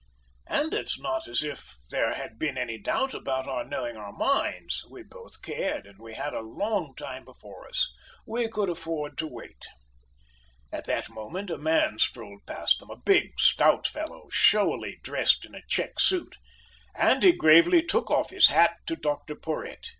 "And it's not as if there had been any doubt about our knowing our minds. We both cared, and we had a long time before us. We could afford to wait." At that moment a man strolled past them, a big stout fellow, showily dressed in a check suit; and he gravely took off his hat to Dr Porhoët.